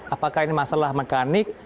apakah ini masalah mekanik